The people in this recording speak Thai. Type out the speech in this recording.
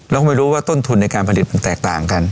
เราก็ไม่รู้ว่าต้นทุนในการผลิตมันแตกต่างกัน